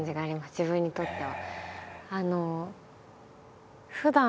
自分にとっては。